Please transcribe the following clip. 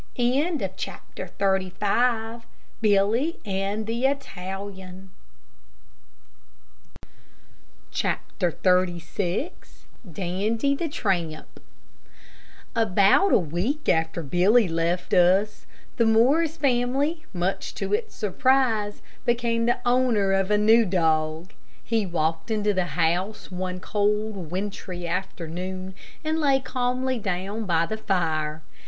CHAPTER XXXVI DANDY THE TRAMP About a week after Billy left us, the Morris family, much to its surprise, became the owner of a new dog. He walked into the house one cold, wintry afternoon and lay calmly down by the fire.